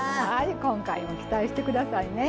今回も期待して下さいね。